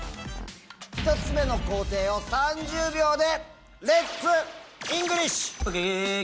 １つ目の工程を３０秒で。